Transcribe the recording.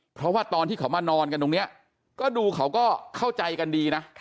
เพราะว่าตอนที่เขามานอนกันตรงนี้ก็ดูเขาก็เข้าใจกันดีนะ